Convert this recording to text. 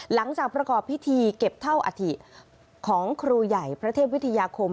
หลังจากประกอบพิธีเก็บเท่าอธิของครูใหญ่พระเทพวิทยาคม